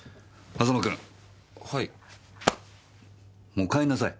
もう帰んなさい。